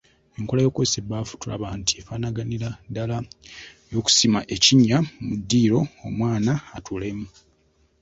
Enkola ey’okukozesa ebbaafu tulaba nti efaanaganira ddala n’ey'okusima ekinnya mu ddiiro omwana atuulemu.